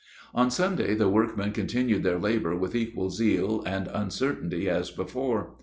On Sunday, the workmen continued their labor with equal zeal and uncertainty as before.